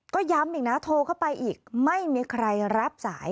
ก็ย้ำอีกนะโทรเข้าไปอีกไม่มีใครรับสาย